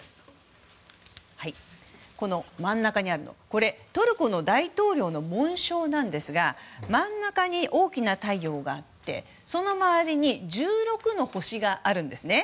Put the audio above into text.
この真ん中にあるのはトルコの大統領の紋章なんですが真ん中に大きな太陽があってその周りに１６の星があるんですね。